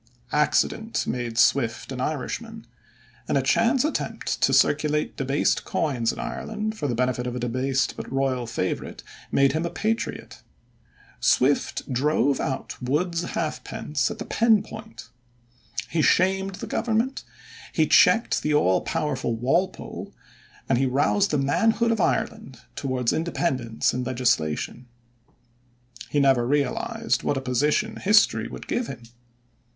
Accident made Swift an Irishman, and a chance attempt to circulate debased coins in Ireland for the benefit of a debased but royal favorite made him a patriot. Swift drove out Wood's halfpence at the pen point. He shamed the government, he checked the all powerful Walpole, and he roused the manhood of Ireland towards independence in legislation. He never realized what a position history would give him.